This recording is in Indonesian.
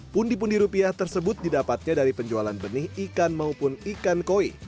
pundi pundi rupiah tersebut didapatnya dari penjualan benih ikan maupun ikan koi